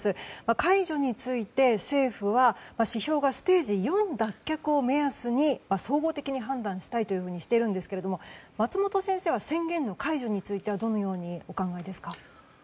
解除について政府は指標がステージ４脱却を目安に総合的に判断したいというふうにしているんですけれども松本先生は宣言の解除についてはどのようにお考えですか。